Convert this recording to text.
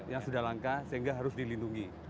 yang sudah langka sehingga harus dilindungi